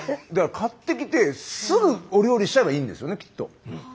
買ってきてすぐお料理しちゃえばいいんですよねきっと。